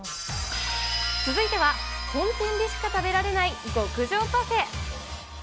続いては、本店でしか食べられない極上パフェ。